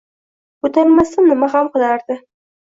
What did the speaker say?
Ko'tarmasdan nima ham qilardi?!